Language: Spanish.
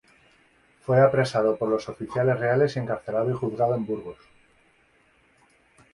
Fue apresado por los oficiales reales y encarcelado y juzgado en Burgos.